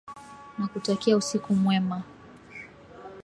Nakutakia usiku mwema.